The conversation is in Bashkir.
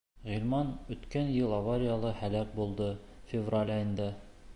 — Ғилман үткән йыл аварияла һәләк булды, февраль айында.